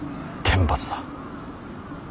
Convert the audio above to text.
天罰だ。